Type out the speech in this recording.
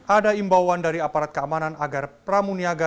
ada imbauan dari aparat keamanan agar pramuniaga